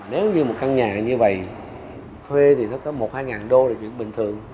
nếu như một căn nhà như vầy thuê thì nó có một hai ngàn đô là chuyện bình thường